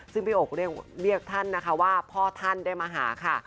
ซึ่งพี่อกเรียกท่านนะคะว่าพ่อท่านได้มาหาค่ะ